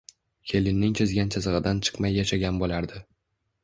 Kelinning chizgan chizigʻidan chiqmay yashagan boʻlardi.